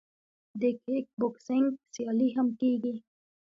د کیک بوکسینګ سیالۍ هم کیږي.